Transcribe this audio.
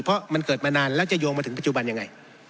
เพราะมันเกิดมานานแล้วจะโยงมาถึงปัจจุบันยังไง